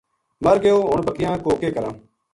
مر گیو ہون بکریاں کو کے کراں